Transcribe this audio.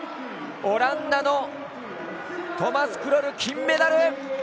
オランダのトマス・クロル金メダル！